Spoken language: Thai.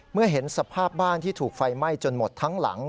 เมื่อเห็นสภาพบ้านที่ถูกไฟไหม้จนหมดทั้งหลัง